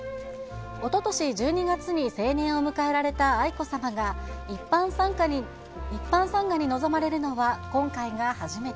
おととし１２月に成年を迎えられた愛子さまが、一般参賀に臨まれるのは、今回が初めて。